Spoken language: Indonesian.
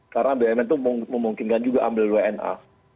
karena bumn itu memungkinkan juga ambil wna